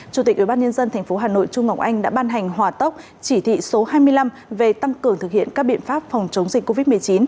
chủ tịch ubnd tp hà nội trung ngọc anh đã ban hành hòa tốc chỉ thị số hai mươi năm về tăng cường thực hiện các biện pháp phòng chống dịch covid một mươi chín